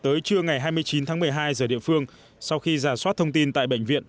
tới trưa ngày hai mươi chín tháng một mươi hai giờ địa phương sau khi giả soát thông tin tại bệnh viện